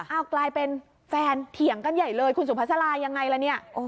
กลายเป็นแฟนเถียงกันใหญ่เลยคุณสุภาษาลายังไงล่ะเนี่ย